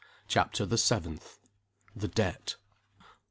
CHAPTER THE SEVENTH. THE DEBT.